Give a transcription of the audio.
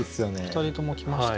２人ともきました。